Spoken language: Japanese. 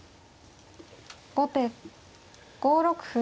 後手５六歩。